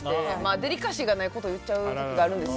デリカシーがないことを言っちゃう時があるんです。